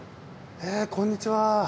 えこんにちは。